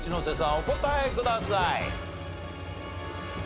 お答えください。